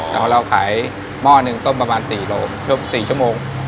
แต่ว่าเราขายหม้อหนึ่งต้มประมาณ๔โลมช่วง๔ชั่วโมง